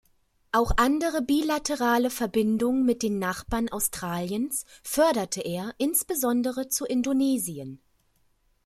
Auch andere bilaterale Verbindung mit den Nachbarn Australiens förderte er, insbesondere zu Indonesien.